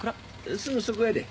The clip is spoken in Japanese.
すぐそこやで。